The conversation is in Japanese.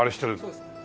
そうですね。